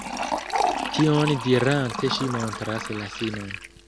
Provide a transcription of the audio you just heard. Tion dirante ŝi montras la sinon.